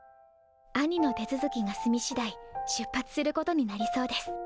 兄の手続きが済みしだい出発することになりそうです。